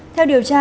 theo điều tra